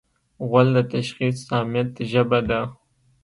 غول د تشخیص صامت ژبه ده.